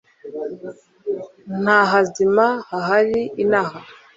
nta hazima hahari inaha